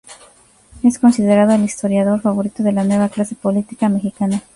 Es considerado "el 'historiador' favorito de la nueva clase política" mexicana.